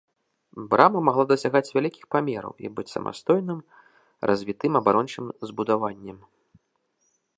Брама магла дасягаць вялікіх памераў і быць самастойным развітым абарончым збудаваннем.